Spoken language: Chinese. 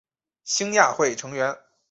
兴亚会成员。